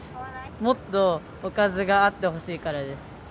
もっとおかずがあってほしいからです。